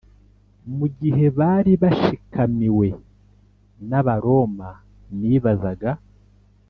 mu gihe bari bashikamiwe n’abaromanibazaga